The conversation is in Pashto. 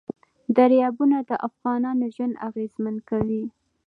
دریابونه د افغانانو ژوند اغېزمن کوي.